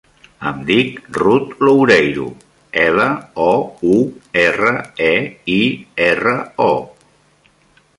Em dic Ruth Loureiro: ela, o, u, erra, e, i, erra, o.